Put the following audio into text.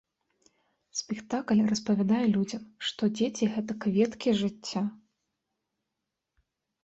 Спектакль распавядае людзям, што дзеці гэта кветкі жыцця!